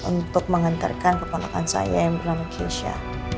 untuk menghantarkan keponokan saya yang bernama kiesya